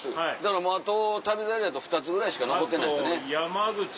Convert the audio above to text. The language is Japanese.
あと『旅猿』やと２つぐらいしか残ってないですよね。